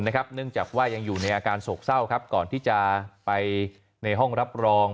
เนื่องจากว่ายังอยู่ในอาการโศกเศร้าครับก่อนที่จะไปในห้องรับรอง